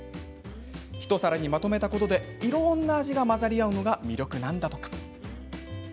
一皿にまとめたことでいろんな味が混ざり合うのが魅力なんだとか。